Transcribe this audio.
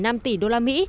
tạo việc làm